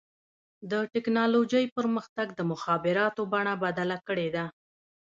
د ټکنالوجۍ پرمختګ د مخابراتو بڼه بدله کړې ده.